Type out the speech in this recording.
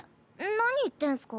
何言ってんスか？